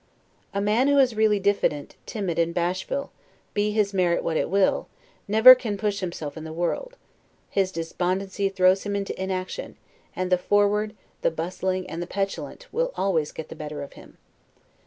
A man who is really diffident, timid, and bashful, be his merit what it will, never can push himself in the world; his despondency throws him into inaction; and the forward, the bustling, and the petulant, will always get the better of him.